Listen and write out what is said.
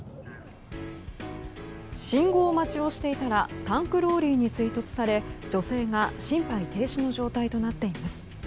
信号待ちをしていたらタンクローリーに追突され女性は心肺停止の状態となっています。